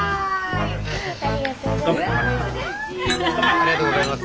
ありがとうございます。